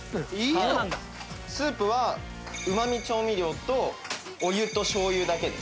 スープはうまみ調味料とお湯と醤油だけです。